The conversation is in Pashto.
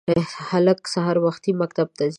هلک سهار وختي مکتب ته ځي